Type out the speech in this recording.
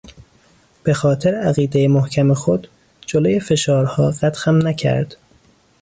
به خاطر عقیدهٔ محکم خود، جلوی فشارها قد خم نکرد